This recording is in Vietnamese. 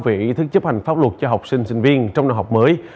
về ý thức chấp hành pháp luật cho học sinh sinh viên trong năm học mới